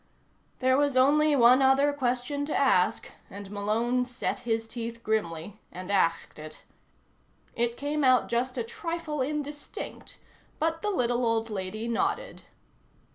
There was only one other question to ask, and Malone set his teeth grimly and asked it. It came out just a trifle indistinct, but the little old lady nodded.